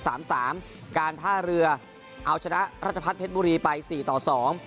สามสามการท่าเรือเอาชนะราชพัฒนเพชรบุรีไปสี่ต่อสอง